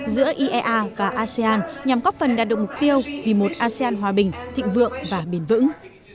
hai nghìn một mươi chín hai nghìn hai mươi một giữa iea và asean nhằm góp phần đạt được mục tiêu vì một asean hòa bình thịnh vượng và bền vững